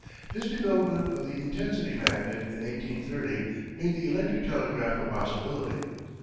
His development of the "intensity" magnet in 1830 made the electric telegraph a possibility.